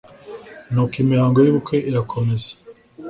nuko imihango y’ubukwe irakomeza